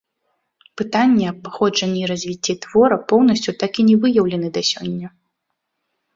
Пытанне аб паходжанні і развіцці твора поўнасцю так і не выяўлены да сёння.